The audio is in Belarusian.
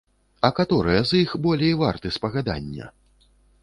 А каторыя з іх болей варты спагадання?